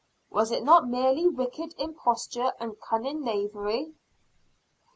Was it not merely wicked imposture and cunning knavery?